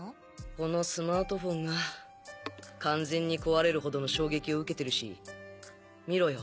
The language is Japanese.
このスマートフォンが完全に壊れるほどの衝撃を受けてるし見ろよ